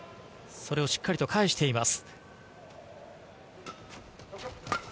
それをしっかりと返しています。